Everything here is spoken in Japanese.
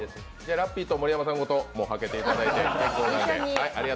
ラッピーと盛山さんごとはけていただいて。